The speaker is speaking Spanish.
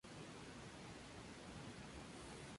El pito caliente obtiene su calor del proceso de fermentación.